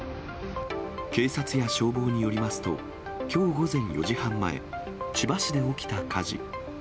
警察や消防によりますと、きょう午前４時半前、千葉市で起きた火事。